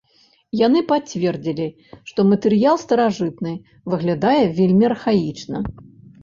Яны пацвердзілі, што матэрыял старажытны, выглядае вельмі архаічна.